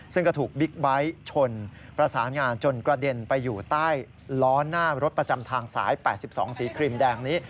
ซึ่งก็ถูกบิ๊กไบท์ชนประสานงานจนกระเด็นไปอยู่ใต้ล้อหน้ารถประจำทางสาย๘๒สีครีมแดงนี้